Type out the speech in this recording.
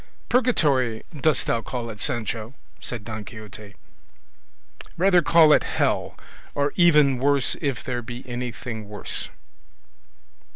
"Purgatory dost thou call it, Sancho?" said Don Quixote, "rather call it hell, or even worse if there be anything worse."